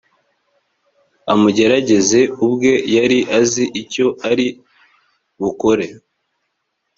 amugerageze ubwe yari azi icyo ari bukore